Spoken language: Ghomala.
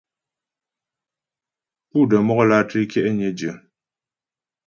Pú də́ mɔk lǎtré kyɛ'nyə dyə.